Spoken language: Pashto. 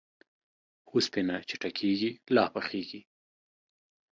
اوسپنه چې ټکېږي ، لا پخېږي.